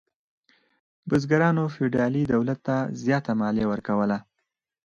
بزګرانو فیوډالي دولت ته زیاته مالیه ورکوله.